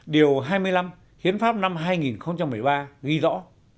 điều hai mươi năm hiến pháp năm hai nghìn một mươi ba ghi rõ